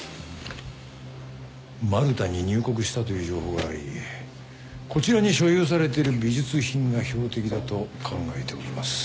マルタに入国したという情報がありこちらに所有されてる美術品が標的だと考えております。